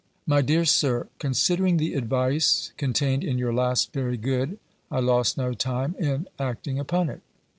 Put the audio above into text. MY DEAR SIR, Considering the advice contained in your last very good, I lost no time in acting upon it.